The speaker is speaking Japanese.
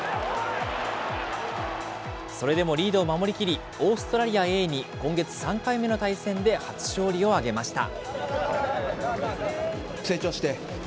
それでもリードを守りきり、オーストラリアＡに今月３回目の対戦で、初勝利を挙げました。